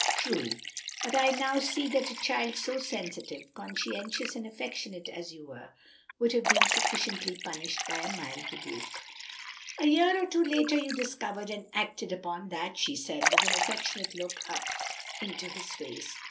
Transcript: "True; but I now see that a child so sensitive, conscientious and affectionate as you were, would have been sufficiently punished by a mild rebuke." "A year or two later you discovered and acted upon that," she said, with an affectionate look up into his face.